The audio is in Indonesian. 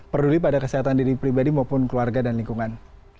peduli pada kesehatan diri pribadi maupun keluarga dan lingkungan